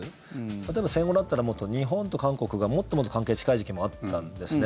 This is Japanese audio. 例えば戦後だったらもっと日本と韓国がもっともっと関係近い時期もあったんですね。